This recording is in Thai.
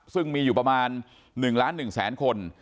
ซึ่งมีอยู่ประมาณ๑ล้าน๑แสนคน